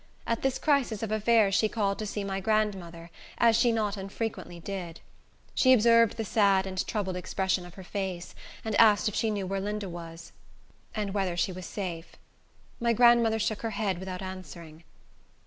At this crisis of affairs she called to see my grandmother, as she not unfrequently did. She observed the sad and troubled expression of her face, and asked if she knew where Linda was, and whether she was safe. My grandmother shook her head, without answering.